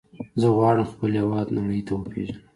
زه غواړم خپل هېواد نړۍ ته وپیژنم.